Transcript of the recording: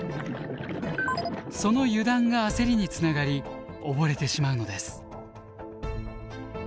その油断が焦りにつながり溺れてしまうのです。